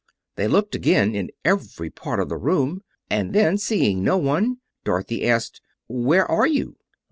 They looked again in every part of the room, and then, seeing no one, Dorothy asked, "Where are you?"